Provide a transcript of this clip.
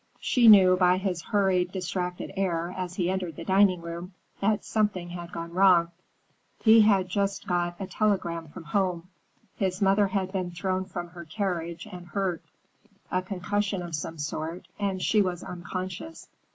She knew by his hurried, distracted air as he entered the dining room that something had gone wrong. He had just got a telegram from home. His mother had been thrown from her carriage and hurt; a concussion of some sort, and she was unconscious.